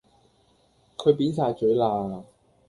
佢扁曬嘴啦